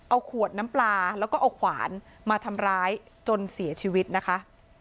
เอาขวดน้ำปลาแล้วก็เอาขวานมาทำร้ายจนเสียชีวิตนะคะ